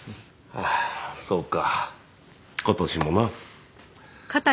ああそうか今年もな。